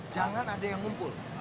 jangan ada yang ngumpul